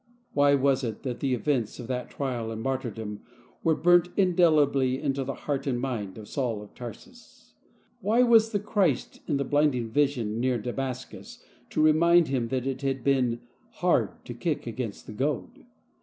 Why was it that the events of that trial and martyrdom were burnt indelibly into the heart and mind of Saul of Tarsus ? Why was the Christ in the blinding vision near Damascus to remind him that it had been " hard to kick against the goad